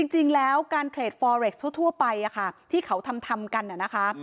จริงแล้วการเทรดฟอเรคทั่วไปที่เขาทำกันนะคะ